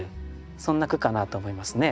そんな句かなと思いますね。